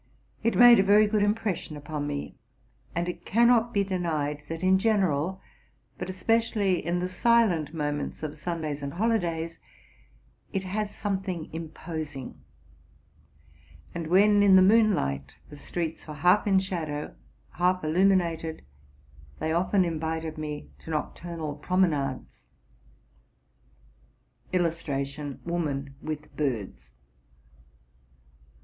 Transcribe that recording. It made a very good impression upon me ; anc it cannot be denied, that in general, but especially in the silent moments of Sundays and holidays, it has something imposing ; and when in the moonlight the streets were half in shadow, half illuminated, they often invited me to noctur nal promenades.